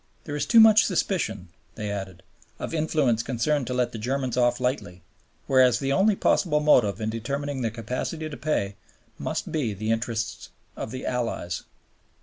"There is too much suspicion," they added, "of influences concerned to let the Germans off lightly, whereas the only possible motive in determining their capacity to pay must be the interests of the Allies."